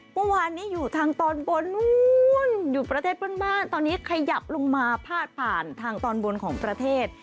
เมื่อวานนี้อยู่ทางตอนบนนู้นอยู่ประเทศเพื่อนบ้านตอนนี้ขยับลงมาพาดผ่านทางตอนบนของประเทศ